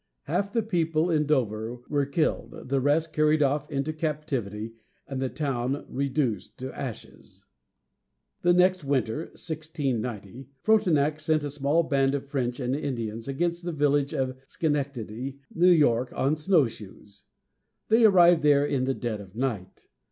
Half the people in Dover were killed, the rest carried off into captivity, and the town reduced to ashes. The next winter (1690), Frontenac sent a small band of French and Indians against the village of Sche nec´ta dy, New York, on snowshoes. They arrived there in the dead of night.